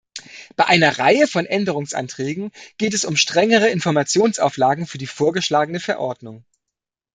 Bei einer Reihe von Änderungsanträgen geht es um strengere Informationsauflagen für die vorgeschlagene Verordnung.